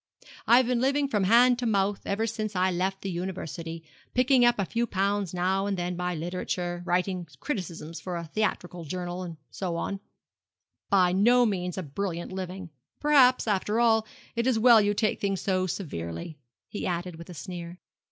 I have been living from hand to mouth ever since I left the university, picking up a few pounds now and then by literature, writing criticisms for a theatrical journal, and so on by no means a brilliant living. Perhaps, after all, it is as well you take things so severely,' he added, with a sneer.